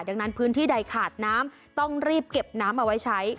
ดังนั้นพื้นที่ใดขาดน้ำต้องรีบเก็บน้ำเอาไว้ใช้